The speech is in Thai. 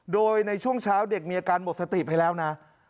โดยในช่วงเช้าเด็กมีอาการหมดสติไปแล้วนะ